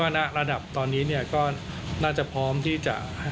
การเดินทางไปรับน้องมินครั้งนี้คือต้องใช้อุปกรณ์ทุกอย่างเหมือนกับมีไอซียูอยู่บนเครื่องบินอยู่